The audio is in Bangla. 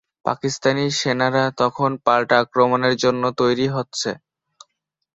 পাকিস্তানি সেনারা তখন পাল্টা আক্রমণের জন্যে তৈরি হচ্ছে।